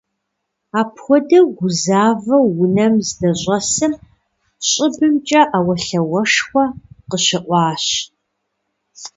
Апхуэдэу гузавэу унэм здыщӏэсым, щӏыбымкӏэ Ӏэуэлъауэшхуэ къыщыӀуащ.